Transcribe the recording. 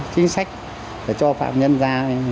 chính sách để cho phạm nhân ra